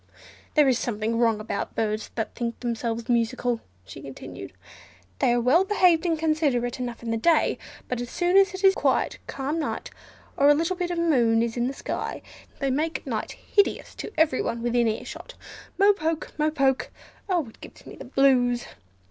There is something wrong about some birds that think themselves musical," she continued: "they are well behaved and considerate enough in the day, but as soon as it is a nice, quiet, calm night, or a bit of a moon is in the sky, they make night hideous to everyone within ear shot—'Mo poke! mo poke!' Oh! it gives me the blues!"